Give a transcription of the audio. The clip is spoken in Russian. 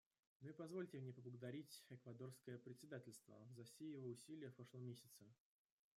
Ну и позвольте мне поблагодарить эквадорское председательство за все его усилия в прошлом месяце.